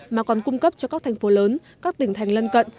mà còn cung cấp cho các thành phố lớn các tỉnh thành lân cận